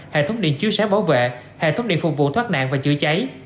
hệ thống điện chiếu sáng bảo vệ hệ thống điện phục vụ thoát nạn và chữa cháy